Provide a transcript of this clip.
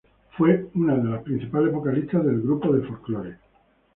Fue una de las principales vocalistas del grupo de folklore.